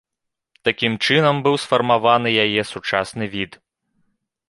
Такім чынам быў сфармаваны яе сучасны від.